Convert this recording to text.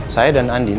saya dan andin